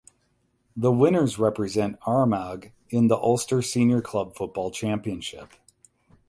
The winners represent Armagh in the Ulster Senior Club Football Championship.